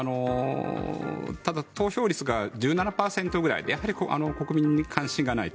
ただ、投票率が１７％ぐらいでやはり国民に関心がない。